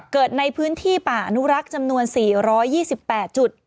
เกิดในพื้นที่ป่าอนุรักษ์จำนวน๔๒๘จุด